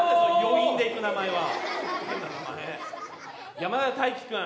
山田大気君。